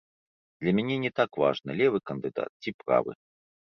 Для мяне не так важна, левы кандыдат ці правы.